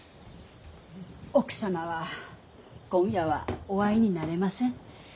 奥様は今夜はお会いになれません。